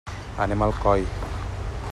Anem a Alcoi.